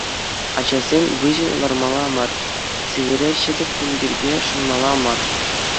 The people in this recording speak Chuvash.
Ачасен выҫӑ лармалла мар, сивӗре ҫӗтӗк тумтирпе шӑнмалла мар.